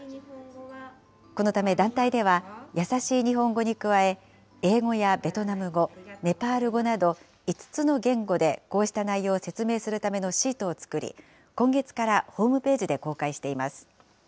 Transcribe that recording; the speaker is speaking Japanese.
このため団体では、やさしい日本語に加え、英語やベトナム語、ネパール語など、５つの言語でこうした内容を説明するためのシートを作り、今月からホームページで公開しています。